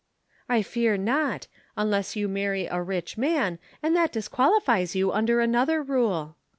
"I fear not: unless you marry a rich man, and that disqualifies you under another rule."